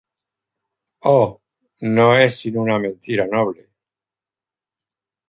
Oh, no es sino una mentira noble.